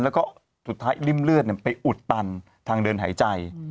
แล้วก็สุดท้ายริ่มเลือดไปอุดตันทางเดินหายใจ